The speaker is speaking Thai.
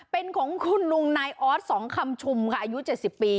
เป็นของคุณลุงนายออสสองคำชุมค่ะอายุเจ็ดสิบปี